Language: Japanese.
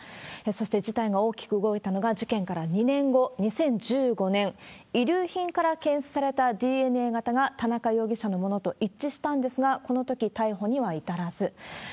そして事態が大きく動いたのが事件から２年後、２０１５年、遺留品から検出されたＤＮＡ型が田中容疑者のものと一致したんですが、このとき逮捕には至らず。